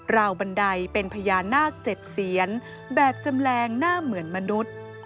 วบันไดเป็นพญานาค๗เสียนแบบจำแรงหน้าเหมือนมนุษย์